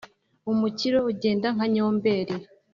umukiro ugenda nka nyomberi